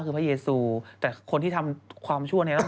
คือพระเยซูแต่คนที่ทำความชั่วเนี่ย